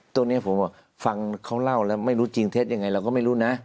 ตัวนี้ผมฟังเขาเล่าแล้วไม่รู้จริงเท็จยังไงเราก็ไม่รู้นะ